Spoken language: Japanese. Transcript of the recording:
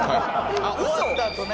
終わったあとね。